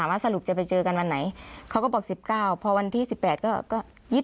ว่าสรุปจะไปเจอกันวันไหนเขาก็บอก๑๙พอวันที่๑๘ก็